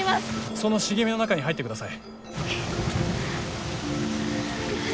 その茂みの中に入ってください。